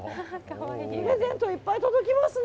プレゼントいっぱい届きますね